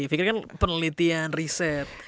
fikri kan penelitian riset